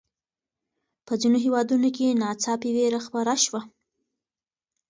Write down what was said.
په ځینو هېوادونو کې ناڅاپي ویره خپره شوه.